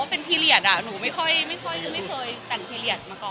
เป็นทีเรียนอ่ะหนูไม่ค่อยไม่ค่อยไม่เคยแต่งทีเรียนมาก่อน